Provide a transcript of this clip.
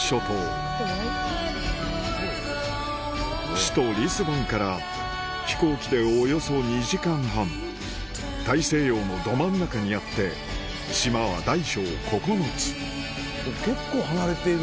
首都リスボンから飛行機でおよそ２時間半大西洋のど真ん中にあって島は大小９つ結構離れてる。